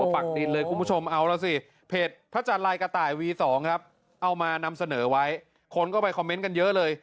พระอาจารย์ลายกระต่ายวี๒เอามานำเสนอไว้คนก็ไปคอมเมนต์กันเยอะเลย